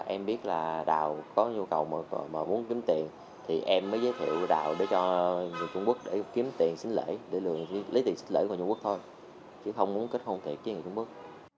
em biết là đào có nhu cầu mà muốn kiếm tiền thì em mới giới thiệu đào cho người trung quốc để kiếm tiền xin lễ để lấy tiền xin lễ của người trung quốc thôi chứ không muốn kết hôn tiền với người trung quốc